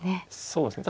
そうですね。